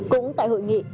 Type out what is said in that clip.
cũng tại hội nghị